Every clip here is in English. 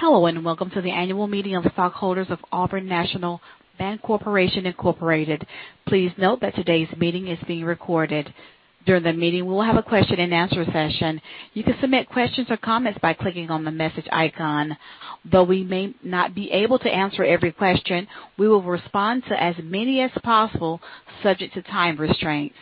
Hello, and welcome to the annual meeting of the stockholders of Auburn National Bancorporation Incorporated. Please note that today's meeting is being recorded. During the meeting, we will have a question and answer session. You can submit questions or comments by clicking on the message icon. Though we may not be able to answer every question, we will respond to as many as possible, subject to time restraints.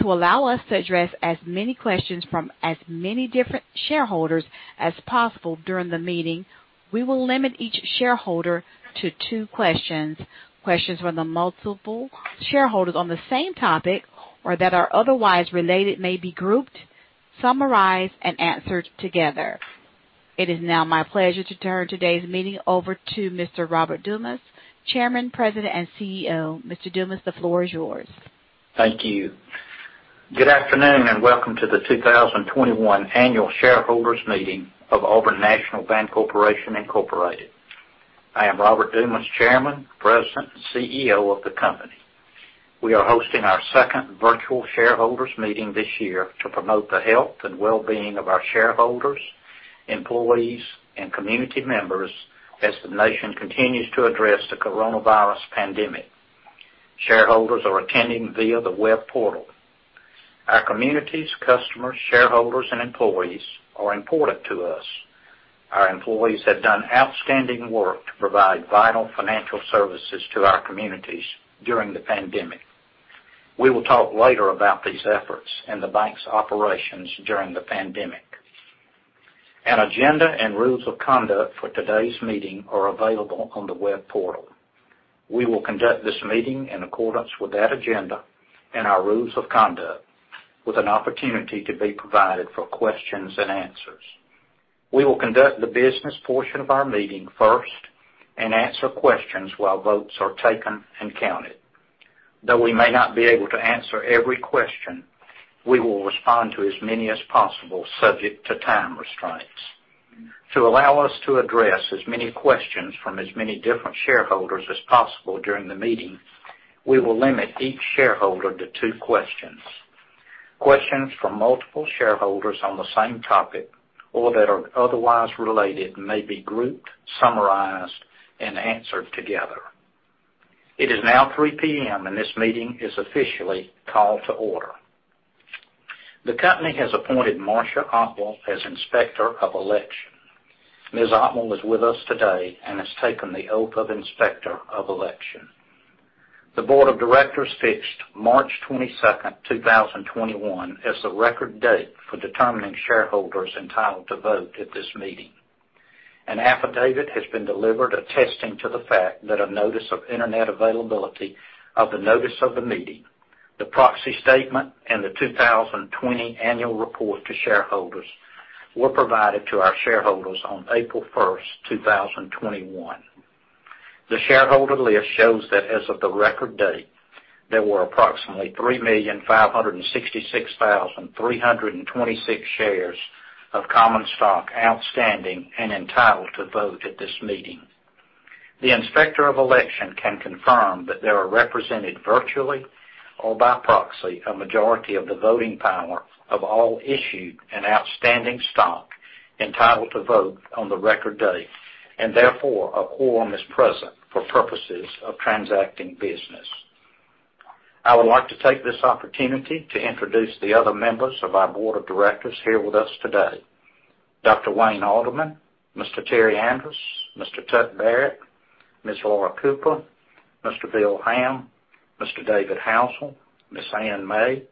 To allow us to address as many questions from as many different shareholders as possible during the meeting, we will limit each shareholder to two questions. Questions from the multiple shareholders on the same topic, or that are otherwise related, may be grouped, summarized, and answered together. It is now my pleasure to turn today's meeting over to Mr. Robert Dumas, chairman, president, and CEO. Mr. Dumas, the floor is yours. Thank you. Good afternoon. Welcome to the 2021 annual shareholders meeting of Auburn National Bancorporation, Incorporated. I am Robert Dumas, Chairman, President, and CEO of the company. We are hosting our second virtual shareholders meeting this year to promote the health and wellbeing of our shareholders, employees, and community members as the nation continues to address the COVID-19 pandemic. Shareholders are attending via the web portal. Our communities, customers, shareholders, and employees are important to us. Our employees have done outstanding work to provide vital financial services to our communities during the pandemic. We will talk later about these efforts and the bank's operations during the pandemic. An agenda and rules of conduct for today's meeting are available on the web portal. We will conduct this meeting in accordance with that agenda and our rules of conduct, with an opportunity to be provided for questions and answers. We will conduct the business portion of our meeting first and answer questions while votes are taken and counted. Though we may not be able to answer every question, we will respond to as many as possible, subject to time restraints. To allow us to address as many questions from as many different shareholders as possible during the meeting, we will limit each shareholder to two questions. Questions from multiple shareholders on the same topic, or that are otherwise related, may be grouped, summarized, and answered together. It is now 3:00 P.M., and this meeting is officially called to order. The company has appointed Marsha Otwell as Inspector of Election. Ms. Otwell is with us today and has taken the oath of Inspector of Election. The board of directors fixed March 22nd, 2021, as the record date for determining shareholders entitled to vote at this meeting. An affidavit has been delivered attesting to the fact that a notice of internet availability of the notice of the meeting, the proxy statement, and the 2020 annual report to shareholders were provided to our shareholders on April first, 2021. The shareholder list shows that as of the record date, there were approximately 3,566,326 shares of common stock outstanding and entitled to vote at this meeting. The Inspector of Election can confirm that there are represented virtually or by proxy, a majority of the voting power of all issued and outstanding stock entitled to vote on the record date, and therefore, a quorum is present for purposes of transacting business. I would like to take this opportunity to introduce the other members of our board of directors here with us today. Dr. Wayne Alderman, Mr. Terry Andrus, Mr. Tutt Barrett, Ms. Laura Cooper, Mr. Bill Hamm, Mr. David Housel, Ms. Anne May,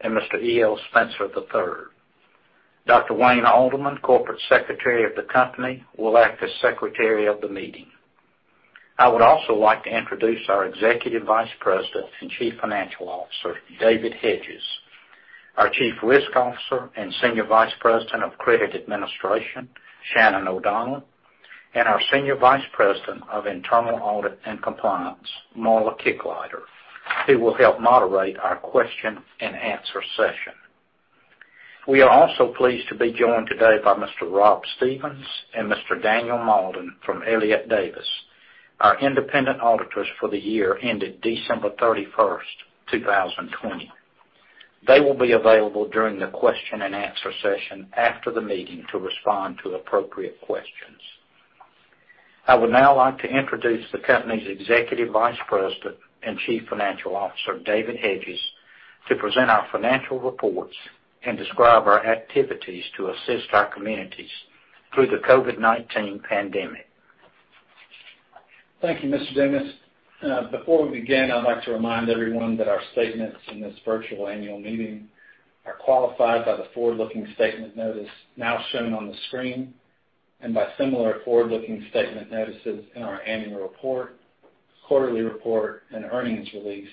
and Mr. E.L. Spencer III. Dr. Wayne Alderman, Company Secretary of the company, will act as Secretary of the meeting. I would also like to introduce our Executive Vice President and Chief Financial Officer, David Hedges, our Chief Risk Officer and Senior Vice President of Credit Administration, Shannon O'Donnell, and our Senior Vice President of Internal Audit and Compliance, Marla Kickliter, who will help moderate our question and answer session. We are also pleased to be joined today by Mr. Rob Stevens and Mr. Daniel Mauldin from Elliott Davis, our independent auditors for the year ended December 31st, 2020. They will be available during the question and answer session after the meeting to respond to appropriate questions. I would now like to introduce the company's Executive Vice President and Chief Financial Officer, David Hedges, to present our financial reports and describe our activities to assist our communities through the COVID-19 pandemic. Thank you, Mr. Dumas. Before we begin, I'd like to remind everyone that our statements in this virtual annual meeting are qualified by the forward-looking statement notice now shown on the screen, and by similar forward-looking statement notices in our annual report, quarterly report, and earnings release,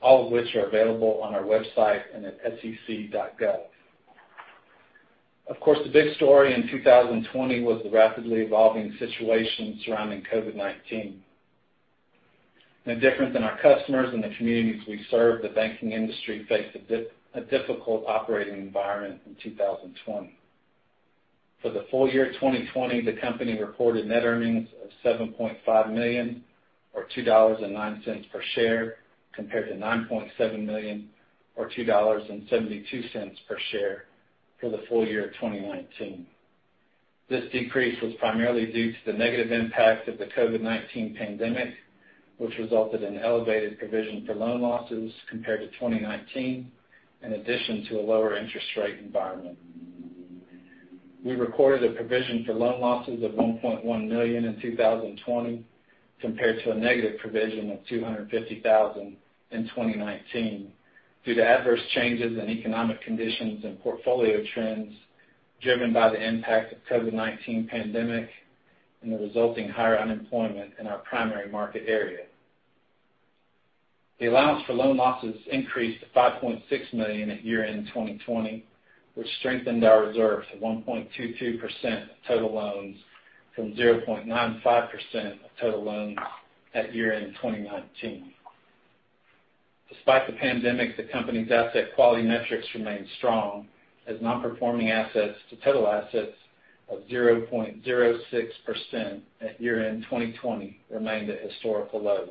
all of which are available on our website and at sec.gov. Of course, the big story in 2020 was the rapidly evolving situation surrounding COVID-19. No different than our customers and the communities we serve, the banking industry faced a difficult operating environment in 2020. For the full year 2020, the company reported net earnings of $7.5 million or $2.09 per share, compared to $9.7 million or $2.72 per share for the full year of 2019. This decrease was primarily due to the negative impact of the COVID-19 pandemic, which resulted in elevated provision for loan losses compared to 2019, in addition to a lower interest rate environment. We recorded a provision for loan losses of $1.1 million in 2020, compared to a negative provision of $250,000 in 2019, due to adverse changes in economic conditions and portfolio trends driven by the impact of COVID-19 pandemic and the resulting higher unemployment in our primary market area. The allowance for loan losses increased to $5.6 million at year-end 2020, which strengthened our reserve to one point two two percent of total loans from zero point nine five percent of total loans at year-end 2019. Despite the pandemic, the company's asset quality metrics remained strong, as non-performing assets to total assets of zero point zero six percent at year-end 2020 remained at historical lows.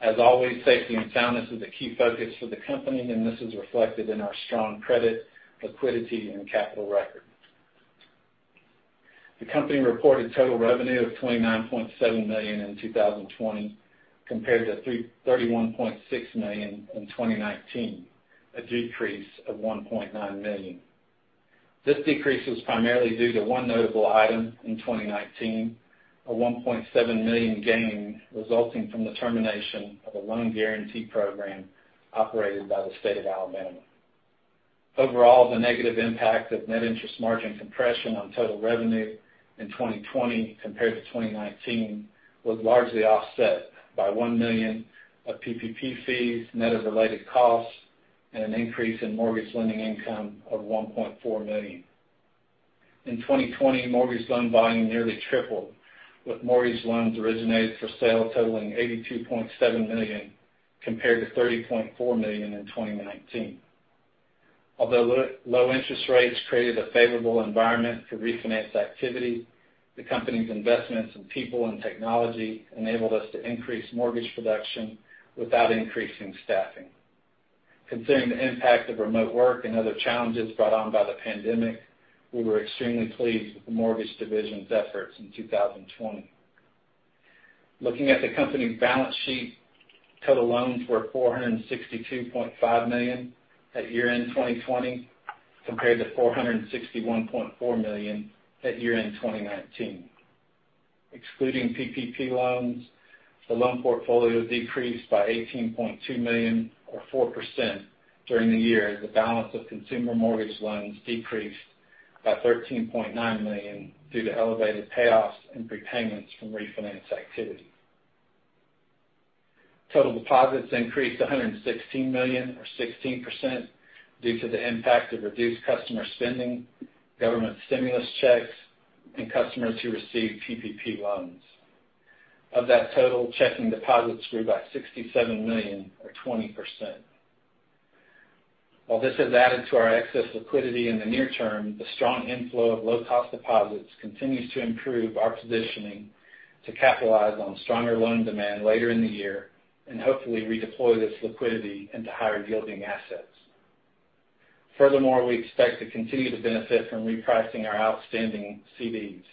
As always, safety and soundness is a key focus for the company, and this is reflected in our strong credit, liquidity, and capital record. The company reported total revenue of $29.7 million in 2020, compared to $31.6 million in 2019, a decrease of $1.9 million. This decrease was primarily due to one notable item in 2019, a $1.7 million gain resulting from the termination of a loan guarantee program operated by the State of Alabama. Overall, the negative impact of net interest margin compression on total revenue in 2020 compared to 2019 was largely offset by $1 million of PPP fees, net of related costs, and an increase in mortgage lending income of $1.4 million. In 2020, mortgage loan volume nearly tripled, with mortgage loans originated for sale totaling $82.7 million, compared to $30.4 million in 2019. Although low interest rates created a favorable environment for refinance activity, the company's investments in people and technology enabled us to increase mortgage production without increasing staffing. Considering the impact of remote work and other challenges brought on by the pandemic, we were extremely pleased with the mortgage division's efforts in 2020. Looking at the company's balance sheet, total loans were $462.5 million at year-end 2020, compared to $461.4 million at year-end 2019. Excluding PPP loans, the loan portfolio decreased by $18.2 million or four percent during the year, as the balance of consumer mortgage loans decreased by $13.9 million due to elevated payoffs and prepayments from refinance activity. Total deposits increased to $116 million or 16% due to the impact of reduced customer spending, government stimulus checks, and customers who received PPP loans. Of that total, checking deposits grew by $67 million or 20%. While this has added to our excess liquidity in the near term, the strong inflow of low-cost deposits continues to improve our positioning to capitalize on stronger loan demand later in the year, and hopefully redeploy this liquidity into higher-yielding assets. Furthermore, we expect to continue to benefit from repricing our outstanding CDs.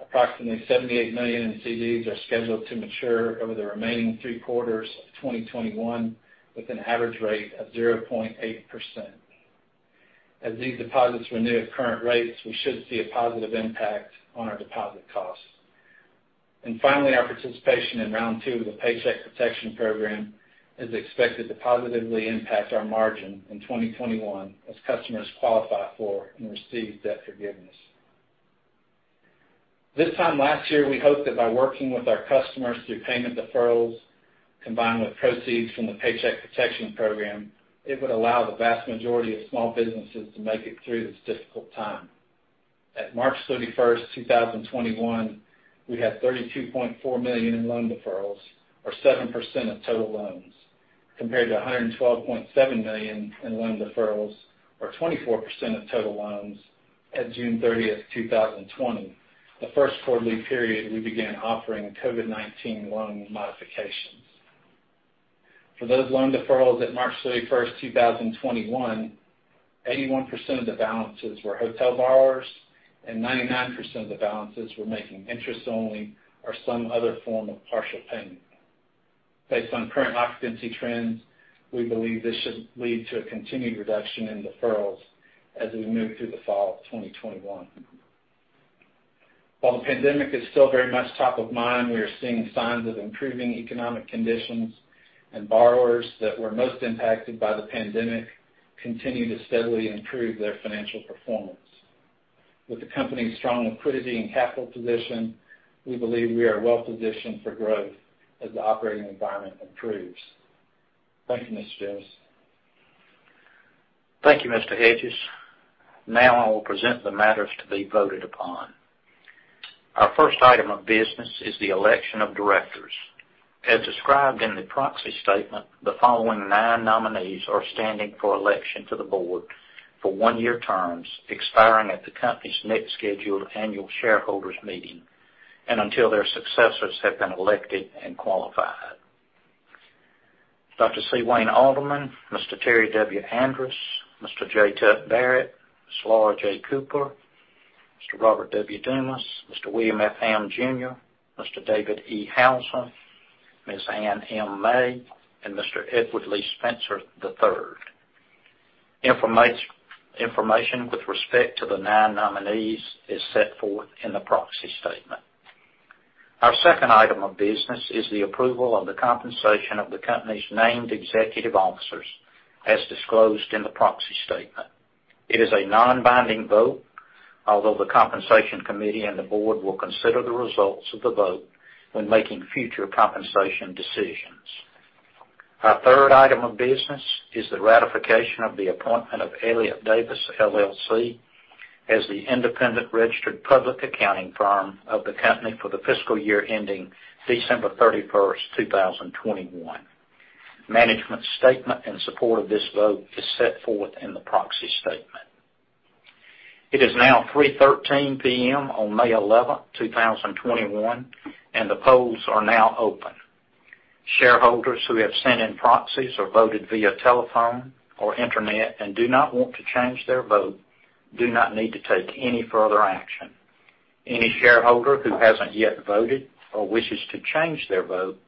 Approximately $78 million in CDs are scheduled to mature over the remaining three quarters of 2021, with an average rate of zero point eight percent. As these deposits renew at current rates, we should see a positive impact on our deposit costs. Finally, our participation in round two of the Paycheck Protection Program is expected to positively impact our margin in 2021 as customers qualify for and receive debt forgiveness. This time last year, we hoped that by working with our customers through payment deferrals, combined with proceeds from the Paycheck Protection Program, it would allow the vast majority of small businesses to make it through this difficult time. At March 31st, 2021, we had $32.4 million in loan deferrals or seven percent of total loans, compared to $112.7 million in loan deferrals or 24% of total loans at June 30th, 2020, the first quarterly period we began offering COVID-19 loan modifications. For those loan deferrals at March 31st, 2021, 81% of the balances were hotel borrowers and 99% of the balances were making interest only or some other form of partial payment. Based on current occupancy trends, we believe this should lead to a continued reduction in deferrals as we move through the fall of 2021. While the pandemic is still very much top of mind, we are seeing signs of improving economic conditions, and borrowers that were most impacted by the pandemic continue to steadily improve their financial performance. With the company's strong liquidity and capital position, we believe we are well-positioned for growth as the operating environment improves. Thank you, Mr. Dumas. Thank you, Mr. Hedges. Now I will present the matters to be voted upon. Our first item of business is the election of directors. As described in the proxy statement, the following nine nominees are standing for election to the board for one-year terms expiring at the company's next scheduled annual shareholders meeting and until their successors have been elected and qualified. Dr. C. Wayne Alderman, Mr. Terry W. Andrus, Mr. J. Tutt Barrett, Ms. Laura J. Cooper, Mr. Robert W. Dumas, Mr. William F. Ham, Jr., Mr. David E. Housel, Ms. Anne M. May, and Mr. Edward Lee Spencer, III. Information with respect to the nine nominees is set forth in the proxy statement. Our second item of business is the approval of the compensation of the company's named executive officers, as disclosed in the proxy statement. It is a non-binding vote, although the compensation committee and the board will consider the results of the vote when making future compensation decisions. Our third item of business is the ratification of the appointment of Elliott Davis, LLC as the independent registered public accounting firm of the company for the fiscal year ending December 31st, 2021. Management statement in support of this vote is set forth in the proxy statement. It is now 3:13 P.M. on May 11th, 2021, and the polls are now open. Shareholders who have sent in proxies or voted via telephone or internet and do not want to change their vote do not need to take any further action. Any shareholder who hasn't yet voted or wishes to change their vote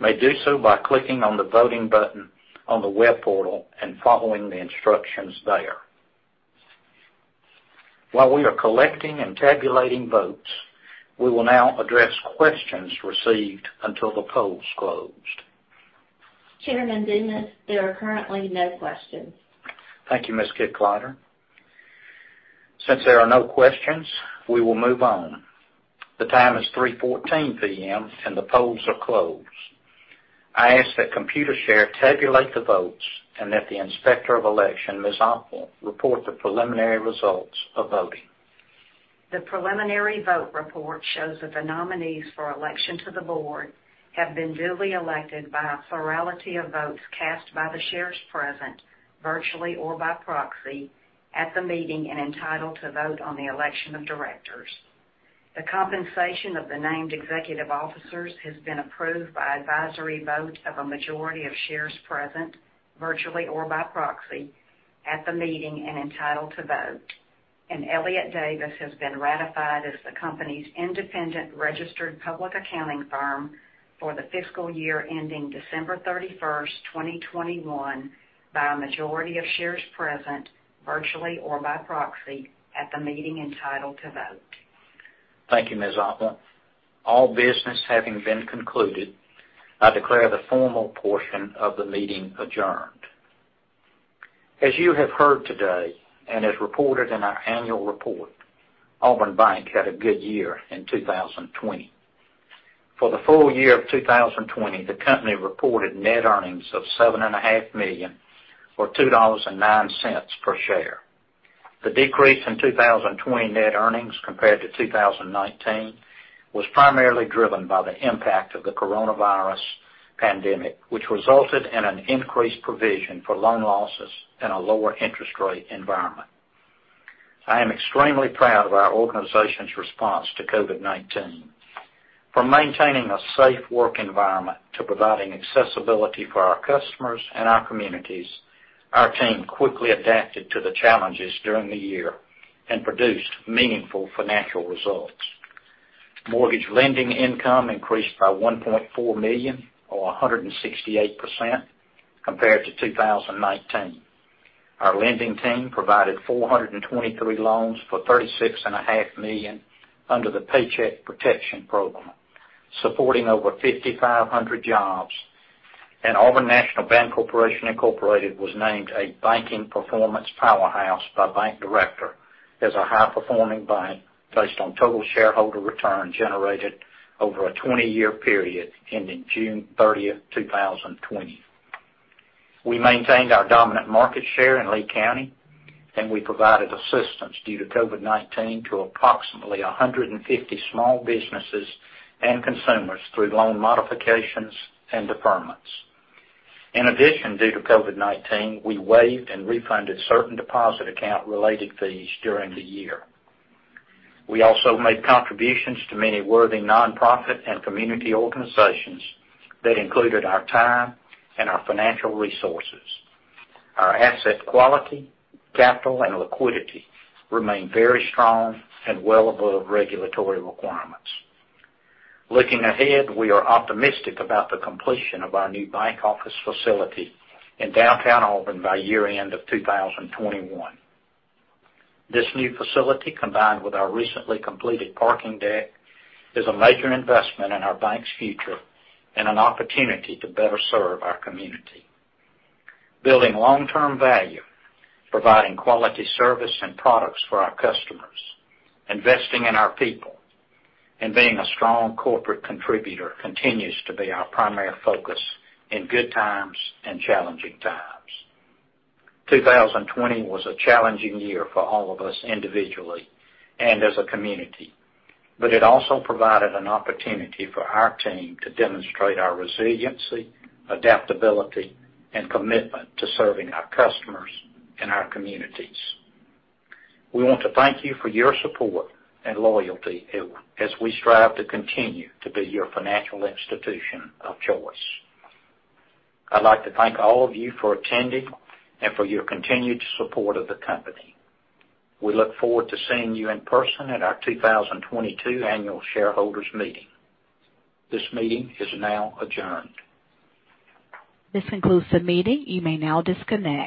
may do so by clicking on the voting button on the web portal and following the instructions there. While we are collecting and tabulating votes, we will now address questions received until the polls closed. Chairman Dumas, there are currently no questions. Thank you, Ms. Kickliter. Since there are no questions, we will move on. The time is 3:14 P.M., and the polls are closed. I ask that Computershare tabulate the votes and that the Inspector of Election, Ms. Otwell, report the preliminary results of voting. The preliminary vote report shows that the nominees for election to the board have been duly elected by a plurality of votes cast by the shares present, virtually or by proxy, at the meeting and entitled to vote on the election of directors. The compensation of the named executive officers has been approved by advisory vote of a majority of shares present, virtually or by proxy, at the meeting and entitled to vote. Elliott Davis has been ratified as the company's independent registered public accounting firm for the fiscal year ending December 31st, 2021, by a majority of shares present, virtually or by proxy, at the meeting entitled to vote. Thank you, Ms. Ottwell. All business having been concluded, I declare the formal portion of the meeting adjourned. As you have heard today, as reported in our annual report, AuburnBank had a good year in 2020. For the full year of 2020, the company reported net earnings of $7.5 million or $2.09 per share. The decrease in 2020 net earnings compared to 2019 was primarily driven by the impact of the coronavirus pandemic, which resulted in an increased provision for loan losses and a lower interest rate environment. I am extremely proud of our organization's response to COVID-19. From maintaining a safe work environment to providing accessibility for our customers and our communities, our team quickly adapted to the challenges during the year and produced meaningful financial results. Mortgage lending income increased by $1.4 million, or 168%, compared to 2019. Our lending team provided 423 loans for $36 and a half million under the Paycheck Protection Program, supporting over 5,500 jobs. Auburn National Bancorporation Incorporated was named a banking performance powerhouse by Bank Director as a high-performing bank based on total shareholder return generated over a 20-year period ending June 30th, 2020. We maintained our dominant market share in Lee County, and we provided assistance due to COVID-19 to approximately 150 small businesses and consumers through loan modifications and deferments. In addition, due to COVID-19, we waived and refunded certain deposit account-related fees during the year. We also made contributions to many worthy nonprofit and community organizations that included our time and our financial resources. Our asset quality, capital, and liquidity remain very strong and well above regulatory requirements. Looking ahead, we are optimistic about the completion of our new bank office facility in downtown Auburn by year-end of 2021. This new facility, combined with our recently completed parking deck, is a major investment in our bank's future and an opportunity to better serve our community. Building long-term value, providing quality service and products for our customers, investing in our people, and being a strong corporate contributor continues to be our primary focus in good times and challenging times. 2020 was a challenging year for all of us individually and as a community, but it also provided an opportunity for our team to demonstrate our resiliency, adaptability, and commitment to serving our customers and our communities. We want to thank you for your support and loyalty as we strive to continue to be your financial institution of choice. I'd like to thank all of you for attending and for your continued support of the company. We look forward to seeing you in person at our 2022 annual shareholders meeting. This meeting is now adjourned. This concludes the meeting. You may now disconnect.